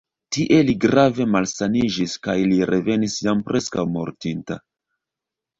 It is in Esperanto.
Tie li grave malsaniĝis kaj li revenis jam preskaŭ mortinta.